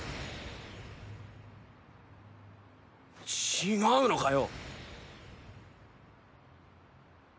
違うのかよ。